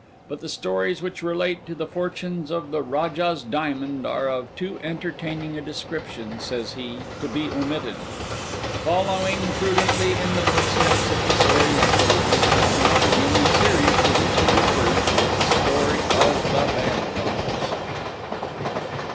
But the stories which relate to the fortunes of The Rajah's Diamond are of too entertaining a description, says he, to be omitted. Following prudently in the footsteps of this Oriental, we shall now begin the series to which he refers with the Story of the Bandbox.)